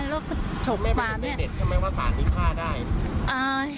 ทุกคนจะพอแล้วสงบฆ่ามาก